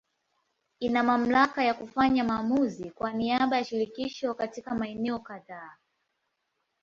Ina mamlaka ya kufanya maamuzi kwa niaba ya Shirikisho katika maeneo kadhaa.